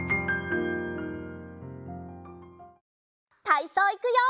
たいそういくよ！